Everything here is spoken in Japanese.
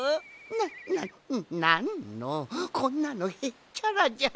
なななんのこんなのへっちゃらじゃ。